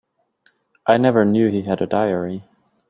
I never knew he had a diary.